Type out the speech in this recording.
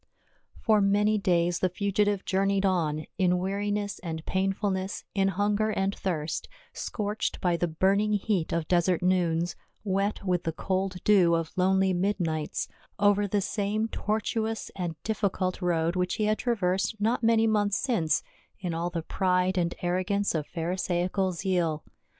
OR many days the fugitive journeyed on, in wea riness and painfulncss, in hunger and thirst, scorched by the burning heat of desert noons, wet with the cold dew of lonely midnights, over the same tortuous and difficult road which he had traversed not many months since in all the pride and arrogance of Pharisaical zeal.